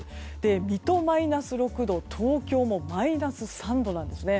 水戸、マイナス６度東京もマイナス３度なんですね。